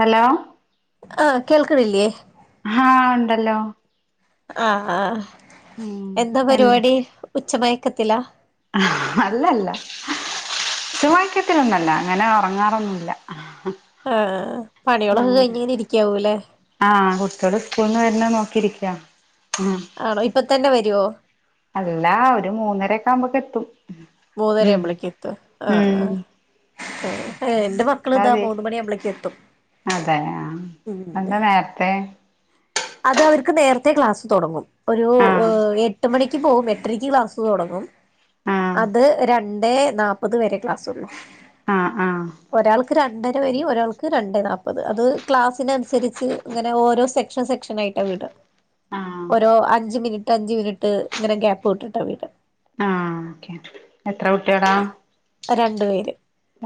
Hello ആ കേൾക്ക് ണി ല്ലെ ഹഹ ഉണ്ടല്ലോ ആ ആ എന്താ പരിപാടി ഉച്ച മയക്കത്തില അല്ലല്ല ഉച്ച മയക്ക ത്തിലൊന്നല്ല അങ്ങനെ ഉറങ്ങാറൊന്നുല്ല ആഹ പണികളൊക്കെ കഴിഞ്ഞ ഇങ്ങനെ ഇരിക്കാവൂ ല്ലേ ആഹ് കുട്ടിൾ സ്കൂളന്ന് വരുന്ന നോക്കിയിരിക്കാ ആണോ ഇപ്പ തന്നെ വരോ അല്ല ഒരു മൂന്നരൊക്കമ്പോക്കത്തും മൂന്നര ആുമ്പോളേക്ക് എത്തും ആ ആ ഉം ശരി ഏ എന്റെ മക്കൾ താ അതെ മൂന്ന മണിാവുമ്പളേക്ക് എത്തും അതെ ആ ഉം എന്താ നേരത്തെ അത് അവർക്ക് നേരത്തെ ക്ലാസ് തുടങ്ങും ഒരു ആഹ് എ എട്ട് മണിക്ക് പോകും എ ട്ടരേക് ക്ലാസ് തുടങ്ങും ആഹ് അത് രണ്ടേ നാ അ തുവരെ ക്ലാസൊള്ളു ആ് ആഹ ഒരാൾക്ക് രണ്ടര വരെ ഒരാൾക്ക് രണ്ടേ നാല്പത് അത് ക്ലാസ്സിനനുസരിച്ച് ഇങ്ങനെ ഓരോ സെ സെക്ഷൻായിട്ട വീട് ആഹ് ഓോ അഞ്ച് മിനിറ്റ് അഞ്ച് മിന ഹ് ഇങ്ങനെ ഗ്യാപ് വിട്ട് ട്ട വരാ ആ ഓക്കെ എത്ര കുട്ടികളാ രണ്ടു പേര്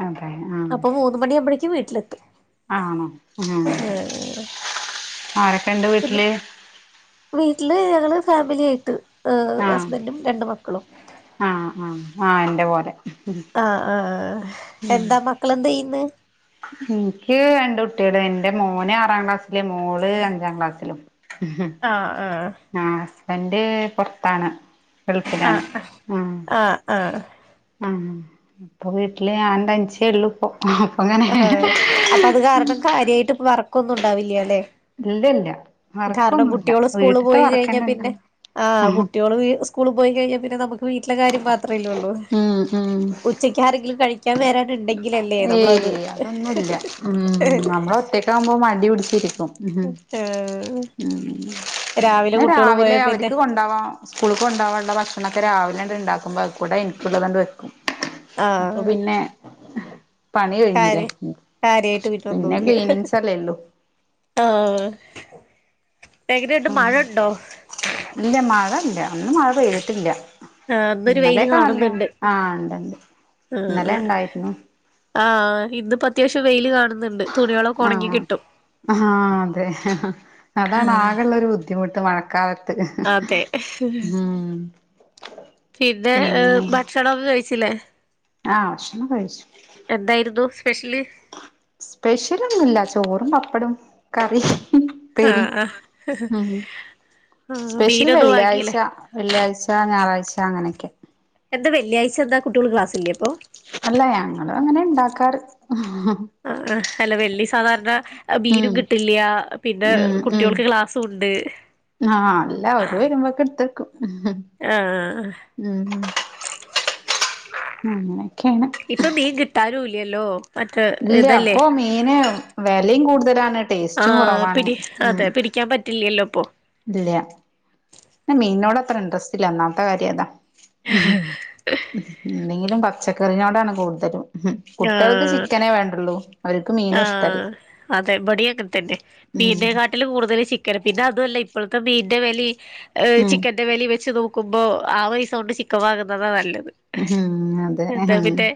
അതെ ആഹ ഒമ്പ ണിയാമ്പോ യേ ക്ക് വീട്ട്ലെത്തും ആണോ ഏ ആരൊക്കെ ഇണ്ട് പിന്നെ വീട്ടില് വീട്ടില് ഞങ്ങള് ഫാമിലി ആായിട്ട് ് ഹസ്ബൻഡും രണ്ട് മക്കളും ആ ആ ആഹ എന്റെ പോലെ ആഹ ആഹ എന്താ മക്കളെന്താ യ്യന്ന് എനിക്ക് രണ്ട് കുട്ടികള് എൻറെ മോന് ആറാം ക്ലാസ്സില് മോള് അഞ്ചാം ക്ലാസ്സിലും ഉം ആഹ് ആഹ് ആ ഹസ്ബൻഡ് പുറത്താണ് ആഹ ആ ആഹ ആഹ ആഹ് അപ്പൊ വീട്ടില് ഞാൻ ത നിചെല്ലുപ്പം അപ്പൊങ്ങനെ ആഹ് അപ്പൊ അത് കാരണം കാര്യയിട്ട് വർ ക്കൊന്നും ഉണ്ടാവില്ലല്ലേ ഇല്ലല്ല കാരണം വർക്കൊന്നുല്ല കുട്ടികള് സ്കൂള് വീട്ടിത്തെ പോയി കഴിഞ്ഞാ വർക്കന്നെ പിന്നെ ഉണ്ടല്ലോ ആ കുട്ടികള് സ്കൂൾ പോയി കഴിഞ്ഞാ പിന്നെ നമുക്ക് വീട്ടിലെ കാര്യം മാത്രേല്ലേള്ളൂ ഉം ഉം ഉച്ചക്ക് ആരെങ്കിലും കഴിക്കൻ വരാ ഉണ്ടെങ്കിലല്ലേ ഏയ് നമ്മളത് കകുമ്പോൾ മടി പിടിച്ചിരിക്കും ഉ ആഹ് ഉ രാവിലെ ന്ന കുട്ടികള് രാവിലെ പോയാ പിന്നെ അവർക്ക് കൊണ്ടാവാ സ്കൂളിൽക്ക കൊണ്ടാവാനുള്ള ഭക്ഷണൊക്കെ രാവിലെ ഉണ്ട്ണ്ടാക്കുമ്പോ അത് കൂടെ എനിക്കുള്ളത്ണ്ട് വെക്കും അപ്പൊ ആഹ് പിന്നെ പണി കഴിഞ്ഞില്ലേ കാര്യ പിന്നെ ക്ലീനിങ്സ് അല്ലേള്ളൂ ആഹ എങ്ങനണ്ട് മഴണ്ടോ ഇല്ല മഴ ഇല്ല ഇന്ന് മഴ പെയ്തിട്ടില്ല ആഹ് ഇന്നൊരു വെയില് ഇന്നലെയൊക്കണല്ലേ കാണുന്നുണ്ട് ആഹ ഉണ്ട്ണ്ട് ഇന്നലെ ആഹ് ഇണ്ടായിരുന്നു ആഹ് ഇന്ന്പ്പോ അത്യാവശ്യം വെയില് കാണും ആഹ് ആഹ് അതെ അതാണ് ആകെയുള്ളരു ബു ബുദ്ധിമുട്ട് മഴക്കാലത്ത്. അതെ [unintelligible] ഉം പിന്നെ ഭക്ഷണൊന്നും കഴിച്ചില്ലേ ആഹ് ഭക്ഷണം കഴിച്ചു എന്തായിരുന്നു സ്പെഷ്യല് സ്പെഷ്യലൊന്നൂല്ല ചോറും പപ്പടും കറിം. പ്പേരി ആഹ് ആഹ് ഉം ആഹ് സ്പെഷ്യൽ മീനൊന്നും വാങ്ങിയില്ലേ വെള്ളിയാഴ്ച വെള്ളിയാഴ്ച ഞായറാഴ്ച അങ്ങനെയൊക്കെ എന്താ വള്ളിയാഴ്ച്ചെന്താ കുട്ടികൾക്ക്‌ ക്ലാസ് ഇല്ലേ അപ്പൊ അല്ല ഞങ്ങളും അങ്ങനാ ഉണ്ടാക്കാറ് ആഹ് ആഹ് അല്ല വെള്ളി സാധാരണ ബീനും കിട്ടില്യ പിന്നെ ഉം ഉം കുട്ട്യോൾക്ക് ക്ലാസും ഉണ്ട്. ആഹ് അല്ല ഓര് വരുമ്പോക്ക്‌ ഇടുത്തേക്കും ആഹ് ആഹ് ആ. അങ്ങനെയൊക്കെയാണ് ഇപ്പം മീൻ കിട്ടാനുംല്ലല്ലോ മറ്റേ ഇല്ല ഇതല്ലേ അപ്പൊ മീന് വെലയും കൂടുതലാണ് ആ ടേസ്റ്റും കുറവാണ് പിടി ഉം അതെ പിടിക്കാൻ പറ്റ് ട്ടില്ലല്ലോപ്പോ ഇല്ല ഇന്ന് മീൻനോട് അത്ര ഇൻട്രസ്റ്റ് ഇല്ല ഒന്നാമത്തെ കാര്യം അതാ ഉം എന്തെങ്കിലും പച്ചക്കറിനോടാണ് കൂടുതലും ഹും കുട്ട്യാൾക്ക് ചിക്കനേ വേണ്ടുള്ളൂ. അവർക്ക് മീനും ഇഷ്ടല്ല ആഹ് അതെ ബടീം അങ്ങന തന്നെ ഉം മീനിനെക്കാ ട്ടിലും കൂടുതൽ ചിക്കന് പിന്നെ അതോല്ല ഇപ്പോഴത്തെ മീന്റെ വെലേം ഉം ചിക്കൻ ന്റെ വലി വെച്ച് നോക്കുമ്പോ ആ പൈസോണ്ട് ചിക്കൻവാങ്ങുന്നതാ നല്ലത് ഹും അതെ എന്താ ഹും പിന്നെ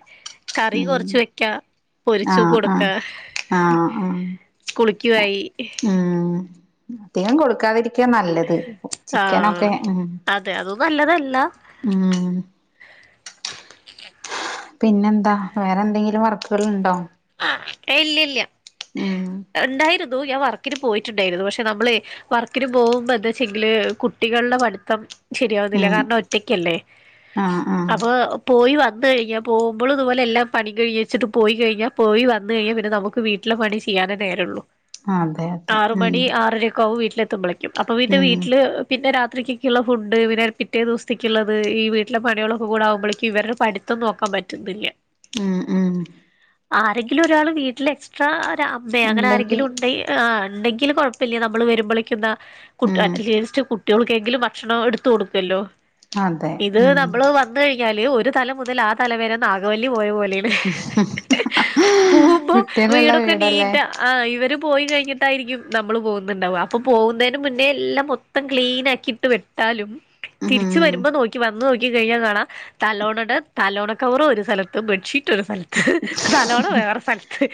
കറി ഉം കുറച്ച് വെക്കാ പൊരിച്ചും ആഹ് ആ കൊടുക്കാ ആഹ് ആഹ് ആഹ് സ്കുളിക്കുവായി ഉം [unintelligible] ധികം കൊട്ക്കാതിരിക്യാ നല്ലത് ചിക്കനൊക്കെ ആഹ് മ് അതെ അത് നല്ലതല്ല പിന്നെന്താ വേറെന്തെങ്കിലും വർക്ക്കള്ണ്ടോ? ഏയ് ഇല്യല്ല്യ ഉണ്ടായിരുന്നു ഞാൻ വർക്കിന് പോയിട്ടുണ്ടായിരുന്നു പക്ഷെ ക്ഷെ നമ്മളെ വർക്കിന് പോകുമ്പോ ന്താച്ചെങ്കില് കുട്ടികളിലെ പഠിത്തം ശരിയാവുന്നില്ല ഉം കാരണം ഒറ്റക്കല്ലേ ആഹ് ആഹ് അപ്പൊ പോയി വന്നു കഴിഞ്ഞപ്പോ പോകുമ്പോളും ഇതുപോലെ എല്ലാം പണി കഴിഞ് ച്ചിട്ട് പോയി കഴിഞ്ഞ പോയി വന്ന് കഴിഞ്ഞാൽ പിന്നെ നമുക്ക് വീട്ടിലെ പണി ചെയ്യാനേ നേരൊള്ളൂ അതെ അതെ ആറ് ഉം മണി ആറരൊക്കെ ആവും വീട്ടിലെത്തുമ്പോളക്കും അപ്പൊ പിന്നെ ഉം വീട്ടില് പിന്നെ രാത്രിക്കേക്കുള്ള ഫുഡ് പിന്നെ രാത്രികിക്ക്ള്ള ഫുഡ് പിന്നെ പിറ്റേ ദിവസ്ത്ത്ക്ക്ള്ളത് ഈ വീട്ടിലെ പണികളൊക്കെ കൂടെ ആവുമ്പോഴേക്ക്‌ ഇവരുടെ പഠി ത്തം നോക്കാൻ പറ്റുന്നില്ല. ഉം ഉം ആരെങ്കിലും ഒരാള് വീട്ടില് എക്സ്ട്രാ ഒരമ്മേ അങ്ങനെ ആരെങ്കിലും ഉണ്ടെങ്കി ആഹ് ആഹ് ഉണ്ടെങ്കിൽ കുഴപ്പമില്ല നമ്മൾ വരുമ്പോളിക്കുന്ന കുട്യ ഉം ലീസ്റ്റ് കുട്യോൾക്കെങ്കിലും ഭക്ഷണം എടുത്ത് കൊടുക്കല്ലോ അതെ ഇത് ഉം നമ്മള് വന്ന് കഴിഞ്ഞാല് ഒരു തല മുതൽ ആ തല വരെ നാഗവല്ലി പോയ പോലെയാ [unintelligible] കുട്ട്യാളുള്ള വീടല്ലേ ആഹ് ഇവര് പോയി കഴിഞ്ഞിട്ടായിരിക്കും നമ്മള് പോകുന്നുണ്ടാവാ അപ്പൊ പോകുന്നേന് മുന്നേ എല്ലാം മൊ ത്തം ക്ലീൻ ആക്കിയിട്ട് വെട്ടാലും ഉം തിരിച്ചു വരുമ്പോ നോക്കി വന്ന് നോ ക്കി കഴിഞ്ഞാൽ കാണാം തലോണേടെ തലോണ കവറ് ഒരു സ്ഥലത്ത് ബെഡ്ഷീറ്റ് ഒരു സ്ഥലത്ത് സലോണ വേറെ സ്ഥലത്ത്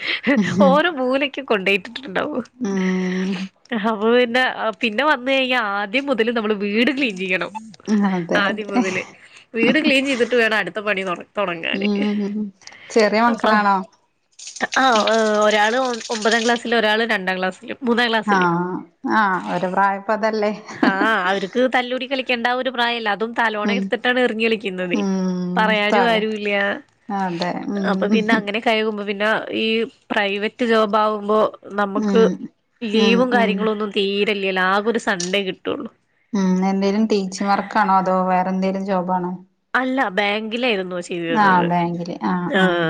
ഓരോ മൂലക്കും കൊണ്ടോയി ഇട്ടിട്ട്ണ്ടാവോ ഉം അപ്പ പിന്നെ പിന്നെ വന്ന് കഴിഞ്ഞാൽ ആദ്യം മുതല് നമ്മള് വീട് ക്ലീൻ ചെയ്യണം. അതെ ആദ്യം അതെ മുതല് വീട് ക്ലീൻ ചെയ്തിട്ട് വേണം അടുത്ത പണി തുട തുടങ്ങാന്. ഉം ചെറിയ അപ്പ മക്കളാണോ ആ് ഒരാള് ഒമ്പതാം ക്ലാസ്സിലും ഒരാള് രണ്ടാം ക്ലാസ്സിലും ആഹ് ആഹ് ഓരെ പ്രായപ്പ അതല്ലേ ആ അവർക്ക് തല്ലൂടി കളിക്കേണ്ട ആ ഒരു പ്രായമല്ല അതും തലഇണ ഉം എടുത്തിട്ടാണ് എറിഞ്ഞഞ് കളിക്കുന്നത് പറയാനും ആരു ഇല്ല ആ അതെ ഉം അപ്പൊ പിന്നെ അങ്ങനെ കഴറുമ്പോൾ പിന്നെ ഈ പ്രൈവറ്റ് ജോബ് ആകുമ്പോൾ നമുക്ക് ഉം ഉം ലീവും ഉം കാര്യങ്ങളും ഒന്നും തീരല്ലല്ലെ ആകെ ഒരു സൺഡേ കിട്ടുള്ളൂ ഉം എന്തെങ്കലും ടീച്ചി വർക്കാണോ അതോ വേറെന്തേലും ജോബാണോ? അല്ല ബാങ്കിലായിരുന്നു ആഹ് ചെയ്തുരുന്നത് ബാങ്കില് ആഹ് ആ ആഹ്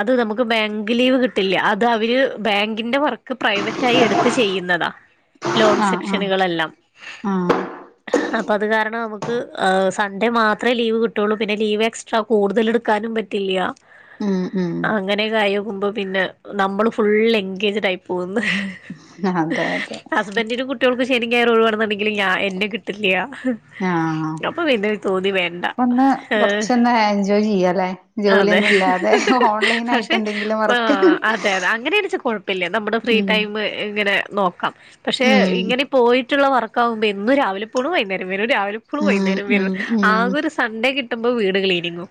അത് നമുക്ക് ബാങ്ക് ലീവ് കിട്ടില്ല അത് അവര് ബാങ്കിന്റെ വർ പ്രൈവറ്റ ആയി എടുത്ത് ചെയ്യുന്നതാ ലോൺ ആഹ് ആഹ് സെക്ഷനുകളെല്ലാം ആഹ് അപ്പൊ അത് കാരണം നമുക്ക് സൺഡേ മാത്രമേ ലീവ് കിട്ടു. പറ്റുള്ളൂ പിന്നെ ലീവ് എക്സ്ട്രാ കൂടുതൽ എടുക്കാനും പറ്റില്ല ഉം ഉം അങ്ങനെയൊക്കെ ആയിക്കുമ്പോൾ പിന്നെ നമ്മള് ഫുള് എൻഗേജ്ഡ ആയി പോകുന്നു അതെ അതെ ഹസ്ബൻ്റിനും കുട്ടികൾക്കും ശനിം ഞായറും ഒഴിവാണെന്നുണ്ടെങ്ക ഇല്ല്യ എന്നെ കിട്ടില്ല അപ്പൊ പിന്നെ തോന്നി വേണ്ട ന്ന് ഏഹ് കൊറച്ചൊന്ന എൻജോയ് ചെയ്യാലേ? അതെ പക്ഷെ എന്തെങ്കിലും ആ വർക്ക് അതെ അതെ അങ്ങനെന്ന്ച്ച കുഴ പിന്നെ നമ്മടെ ഫ്രീ ഉം ടൈം ഇങ്ങനെ നോക്കാം പക്ഷെ ഉം ഇങ്ങനെ പോയിട്ടുള്ള വർക്ക് ആകുമ്പോ എന്നും രാവിലെ പോണു ഉം വൈകുന്നേരം ഉം ഉം വരും സൺഡേ കിട്ടുമ്പോൾ വീട് ക്ലീനിങ്ങും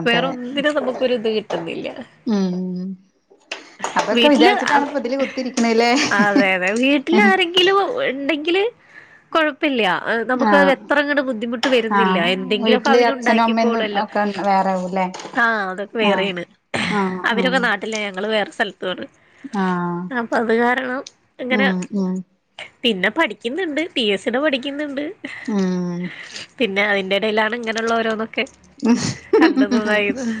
അതെ വേറെന്നിനും നമുക്ക്ഒരു ഇത് കിട്ടുന്നില്ല ഉം അതൊക്കെ വീട്ടില് വിചാരിച്ചിട്ടാണ് ഇപ്പ ഇതില് കുത്തിരിക്കണല്ലേ അതെ അതെ വീട്ടിൽ ആരെങ്കിലും ഉണ്ടെങ്കില് കെഴപ്പില്ല നമുക്ക്ത് ആഹ് അത്ര ഇങ്ങനെ ബുദ്ധിമുട്ട് വരുന്നില്ല എന്തെങ്കിലുമൊക്കെ അവര് ഉണ്ടാക്കിക്കോളല്ലോ [unintelligible] വേറെവുല്ലേ? ആഹ അതൊക്കെ വേറെയാണ് അവര്പ്പെ ആഹ് നാട്ടില ഞങ്ങള് വേറെ സ്ഥലത്തുാണ് ആഹ് അപ്പൊ അത് കാരണം ഇങ്ങനെ ഉം ഉം പിന്നെ പഠിക്കുന്നുണ്ട് പി എസ്സിടെ പഠിക്കുന്നുണ്ട് ഉം പിന്നെ അതിന്റെ ഇടയിലാണ് ഇങ്ങനെയുള്ള ഓരോന്നൊക്കെ കണ്ടതും ഇതായതും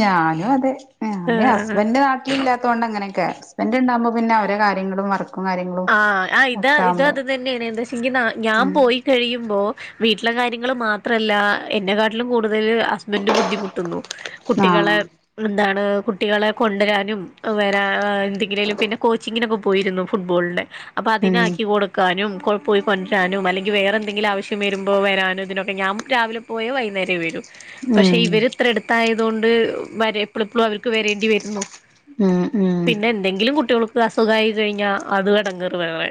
ഞാനും അതെ ഞാന് ആഹ് ഹസ്ബൻഡ് നാട്ടിൽ ൻ്റ്ലാത്തോണ്ട് ഇങ്ങനെയൊക്കെ ഹസ്ബൻ്റ്ണ്ടാകുമ്പോ പിന്നെ അവരകാര്യങ്ങളും വ കാര്യങ്ങളും ആ ആ ഇതാ ഒക്കെ ഇത് ആവുമ്പോ അത് തന്നെയാണ് എന്താ വെച്ചെങ്കി ഞാൻ ഉം പോയി കഴിയുമ്പോ വീട്ടിലെ കാര്യങ്ങൾ മാത്രല്ല എന്നെ കാട്ടിലും കൂടുതൽ ന്റ് ബുദ്ധിമുട്ടള്ളു കുട്ടികളെ ആഹ് എന്താണ് കുട്ടികളെ കൊണ്ടുവരാനും വരാ എന്തെങ്കിലിലും പിന്നെ കോച്ചിങ്ങിനൊക്കെ പോയിരുന്നോ? [unintelligible] അപ്പൊ ഉം അതിനെക്കി കൊടുക്ക വക്കാനും പോയി കൊണ്ടറ്റാനും അല്ലങ്കിൽ വേറെ എന്തെങ്കില ആവശ്യം വരുമ്പോൾ വരാനും ഇതിനൊക്കെ ഞാൻ രാവില പോയ വൈകുന്നേരം വരും പക്ഷെ ഉം ഇവര് ഇത്ര എടുത്തായതുകൊണ്ട് വരെ എപ്പോളിപ്പളുംഅവർ വരേണ്ടി വരുന്നു ഉം ഉം പിന്നെ എന്തെങ്കിലും കുട്ടികൾക്ക് അസുഖമായി കഴിഞ്ഞാ അത് എടങ്ങോറ് വേറെേ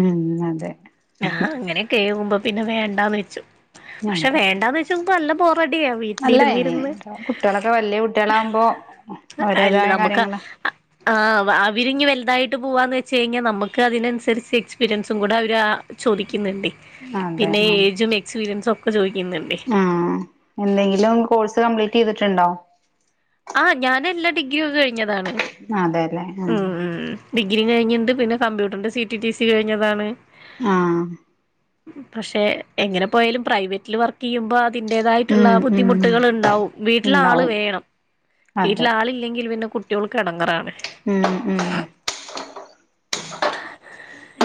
ഉം അതെ കേവുമ്പോ പിന്നെ വേണ്ടാന്ന് വെച്ചു പക്ഷെ അതെ വേണ്ടാന്ന് വെ ഇപ്പൊ നല്ല ബോറടിയ അല്ല ഇനി വീട്ടിലിരിന്ന് കുട്ടികളൊക്കെ വലിയ കുട്ടികളാകുമ്പോ അല്ല അവരേതായ നമുക്ക് കാര്യങ്ങള് ആ അവരിങ്ങി വലുതായിട്ട് പോവാന്ന് വെച്ച ച്ച കഴിഞ്ഞാൽ നമുക്ക് അതിനനുസരിച്ച് എക്സ്പീരിയൻസും കൂടെ അവർ അ ചോദിക്കുന്നുണ്ട് അതെ പിന്നെ ആ ഏജും എക്സ്പീരിയൻസും ഒക്കെ ചോദിക്കുന്നുണ്ട്. ആ എന്തെങ്കിലും കോഴ്സ് കംപ്ലീറ്റ് ചെയ്തിട്ടുണ്ടോ? ആഹ ഞാൻ എല്ലാ ഡിഗ്രി ഒന്ന കഴിഞ്ഞതാണ് അതെല്ലേ ഉം ഉ ആ ഡിഗ്രി കഴിഞ്ണ്ട് പിന്നെ കമ്പ്യൂട്ടറി്ന്റെ സി റ്റി റ്റി സി കഴിഞ്ഞതാണ്. ആഹ പക്ഷെ എങ്ങനെ പോയാലും പ്രൈവറ്റില് വർക്ക് തീയ്യുമ്പോൾ അതിന്റെതായിട്ടുള്ള ഉം ഉം ബുദ്ധിമുട്ടുകൾ ഉണ്ടാവും വീട്ടിലാള് ഉണ്ടാവും വേണം. വീട്ടിൽ അതെ ആളില്ലെങ്കിൽ പിന്നെ കുട്ടികൾക്ക് എടങ്ങറാണ് ഉം ഉം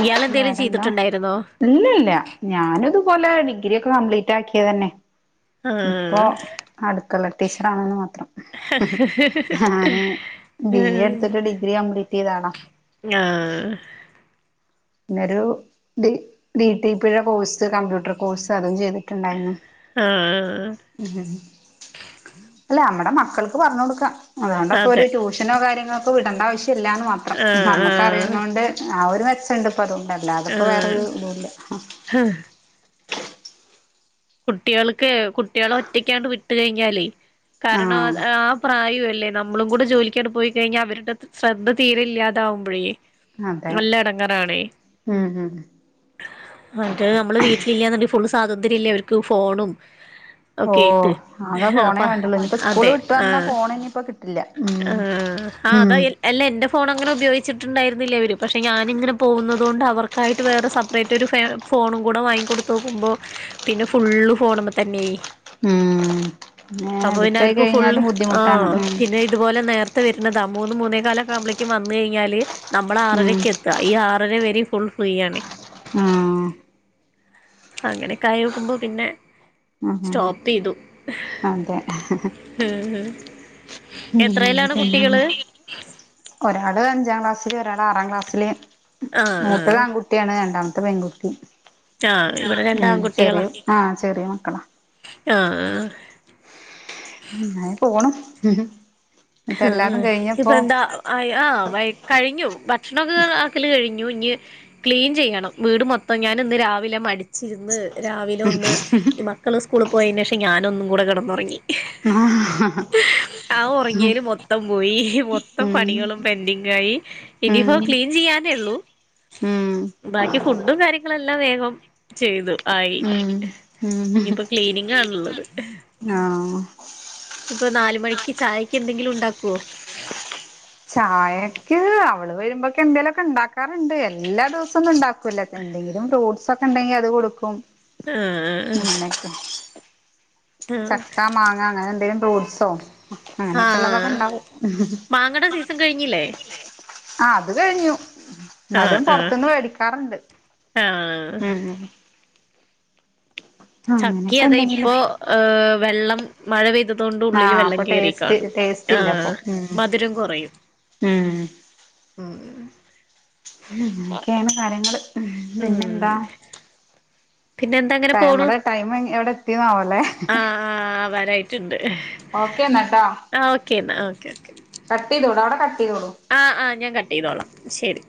ഇയാൾ എന്തേലും വേറെന്താ? ചെയ്തിട്ടുണ്ടായിരുന്നോ ഇല്ല ഇല്ല ഞാന് ഇതുപോലെ ഡിഗ്രി ഒക്കെ കംപ്ലീറ്റ് ആക്കിയ തന്നെ ഇപ്പോ ആഹ് അടുക്കള ടീച്ചറാണെന്ന് മാത്രം. ഞാന് ബി എ എടുത്തിട്ട് ഡിഗ്രി കംപ്ലീറ്റ് ചെയ്താളാ ഞാ പിന്നൊരു ഡി ഡി ടി പിഴ കോഴ്സ് കമ്പ്യൂട്ടർ കോഴ്സ് അതും ചെയ്തു. ണ്ടായിരുന്നു ആഹ് ഉ അല്ലെ നമ്മടെ മക്കൾക്ക് പറഞ്ഞ കൊടുക്ക അതുകൊണ്ട്പ്പോ അതെ ഒരു ട്യൂഷൻ തനോ കാര്യങ്ങൾക്ക് വിടണ്ട ആവശ്യമില്ലാന്ന് മാത്രം ആഹ് നമുക്ക് ആഹ് അറിയുന്നോണ്ട് ആ ഒരു മെച്ചുണ്ട് ഇപ്പ അതുകൊണ്ട അല്ലാതപ്പോ വേറൊരു ഇത ഇല്ല ഹഹ കുട്ടികൾക്ക് കുട്ടികൾ ഒറ്റക്കാണ്ട് വിട്ട് കഴിഞ്ഞാലെ കാരണം ആഹ് അത് ആ പ്രായം അല്ലേ നമ്മളും കൂടെ ജോലിക്കാണ് പോയി കഴിഞ്ഞാൽ അവരുടെ ശ്രദ്ധ തീരെ ഇല്ലാതാാവുമ്പോഴേ അതെ നല്ല ഇടങ്ങറാണേ ഉം ഉം എന്നിട്ട് നമ്മള് വീട്ടിലില്ലെന്നുണ്ടങ്കി ഫുൾ സ്വാതന്ത്ര്യ ഇല്ലേ അവർക്ക് ഫോണും ഓ ഒക്കെ ആയിട്ട് അകെ അപ്പ ഫോണേ വേണ്ടുള്ളൂ ഇനിപ്പോ സ്കൂള് അതെ വിട്ടു വന്നാ ആഹ് ഫോണ് ഇനിയിപ്പോ കിട്ടില്ല. ഉം ആഹ് ആഹ് ഹം അതാ അല്ല എൻ്റെ ഫോൺ അങ്ങനെ ഉപയോഗിച്ചിട്ടുണ്ടായിരുന്നില്ല അവര്, പക്ഷേ ഞാനിങ്ങനെ പോകുന്നത് കൊണ്ട് അവർക്കായിട്ട് വേറെ സപ്പറേറ്റ് ഒരു ഫ ഫോണും കൂടെ വാങ്ങി കൊടുത്ത് നോക്കുമ്പോ പിന്നെ ഫുള്ള് ഫോണ് മ്മെ തന്നെയായി ഉം പിന്നെ അപ്പൊ പിന്നെ അഡിക്റ്റ് ആയി അവർക്ക് ഫുള് കഴിഞ്ഞാലും ബുദ്ധിമുട്ടാണ് ആഹ ഉം പിന്നെ ഇതുപോലെ നേരത്തെ വരുന്നതാ മൂന്ന് മൂന്നേ കാലക്കാകുമ്പോളേക്ക് വന്നുകഴിഞ്ഞാല് നമ്മള ഉം ആറരയ്ക്ക് എ ക ഈ ആറര വരെ ഫുൾ ഫ്രീ ആണെ. ആഹ് അങ്ങനൊക്കായോക്കുമ്പോ പിന്നെ ഉം ഉം ഉം സ്റ്റോപ്പ് ചെയ്തു അതെ ഹ് ഹ് എത്രയിലാണ് പിന്നെന്താ കുട്ടികള്? ഒരാള് അഞ്ചാം ക്ലാസ്സില് ഒരാള് ആറാം ക്ലാസ്സില് ആഹ് ആഹ് മൂത്തതാൺകുട്ടി കുട്ടിയാണ് രണ്ടാമത്തെ പെൺകുട്ടി ആഹ് ഇവിടെ രണ്ട് ഉ ചെറിയ ആ ചെറിയ മക്കളാ ആഹ ആ അങ്ങനെ പോണ് ഹ് ഇപ്പ എന്താ? ആ ആ കഴിഞ്ഞു ഭക്ഷണമൊക്കെ ആക്കല് കഴിഞ്ഞു ഇഞ്ഞ് ക്ലീൻ ചെയ്യണം വീട് മൊത്തം ഞാന് ഇന്ന് രാവിലെ മടിച്ച ച്ചിരുന്ന് രാവിലെ ഒന്ന് ഈ മക്കൾ സ്കൂളിൽ പോയതിനു ശേഷം ഞാനൊന്നും കൂടെ കിടന്നുറങ്ങി ആഹ ഇങ്ങല് മൊത്തം പോയി മൊത്തം പണികളും പെൻഡിങ്ങ ആയി ഇനിയിപ്പോ ഉം ക്ലീൻ ചെയ്യാനേ ഉള്ളൂ ഉം ബാക്കി ഫുഡും കാര്യങ്ങളുംല്ലാം വേഗം ചെയ്തു. ആയി ഉം ഉം ഇനിയിപ്പോ ക്ലീനിങ് ആണുള്ളത് ആഹ് ഇപ്പൊ നാല് മണിക്ക് ചായക്ക് എന്തെങ്കിലും ഉണ്ടാക്കുവോ? ചായക്ക് അവള് വരുമ്പോക്കെ എന്തേലുമൊക്കെ ഉണ്ടാക്കാറുണ്ട് എല്ലാ ദിവസം ഒന്നും ഉണ്ടാക്ക ക്കെ എന്തെങ്കിലും ഫ്രൂട്ടസ് ഒക്കെ ഉണ്ടെങ്കി അത് കൊടുക്കും ആഹ് ഇങ്ങനെയൊക്കെ ചക്ക മാങ്ങ അങ്ങനെ എന്തെങ്കിലും ഫ്രൂട്സോ അങ്ങനെയൊക്കെ ഉള്ളതൊക്കെ ഉണ്ടാവും മാങ്ങട സീസൺ കഴിഞ്ഞില്ലേ? ആഹ് അത് കഴിഞ്ഞു ആഹ് എന്നാലും ആഹ് പുറത്തന്ന് മേടിക്കാറുണ്ട്. ആഹ് അങ്ങനെക്കെണ്ടെങ്കില് അഹ് വെള്ളം മഴ പെയ്തത് കൊണ്ട് ആ ഉള്ളിൽ വെള്ളം അപ്പൊ കേറി ടേസ്റ്റ് കാണും, ടേസ്റ്റ് ഇല്ല അപ്പൊ ആഹ് ഉം മധുരം കുറയും. ഉം ഉം അങ്ങനെയൊക്കെയാണ് കാര്യങ്ങൾ ഉം പിന്നെന്താ പിന്നെ എന്താ അങ്ങനെ പോണു നമ്മടെ ടൈം എവിടെ എത്തിന്നാവല്ലേ ആഹ് ആഹ് വരായിട്ടുണ്ട് ഓക്കേ എന്നട്ടോ. ഓക്കേ അന്നാ ഓക്കേ ഓക്കേ. കത്തി തൊടാതെ കട്ട്‌ ചെയ്തു കൊടുക്കും. ആ ആ ഞാൻ കട്ട് ചെയ്തോളാം ശരി